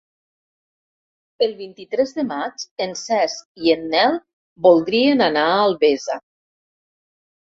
El vint-i-tres de maig en Cesc i en Nel voldrien anar a Albesa.